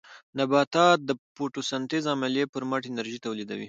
نباتات د فوټوسنټیز عملیې پرمټ انرژي تولیدوي.